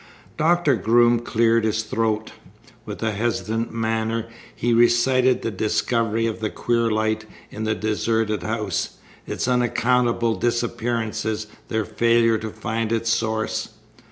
Doctor Groom cleared his throat. With a hesitant manner he recited the discovery of the queer light in the deserted house, its unaccountable disappearances their failure to find its source.